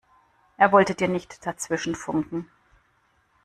Er wollte dir nicht dazwischenfunken.